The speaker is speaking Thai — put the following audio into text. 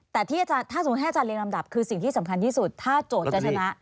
แต่ที่อาจารย์ถ้าสมมุติให้อาจารย์เรียงลำดับคือสิ่งที่สำคัญที่สุดถ้าโจทย์จะชนะ